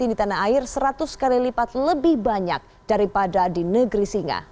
di tanah air seratus kali lipat lebih banyak daripada di negeri singa